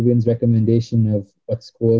mengekori rekomendasi coach wiwin